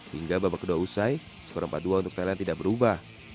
hingga babak kedua usai skor empat dua untuk thailand tidak berubah